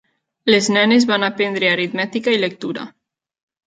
Les nenes van aprendre aritmètica i lectura.